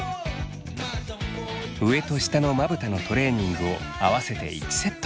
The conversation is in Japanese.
上と下のまぶたのトレーニングを合わせて１セット。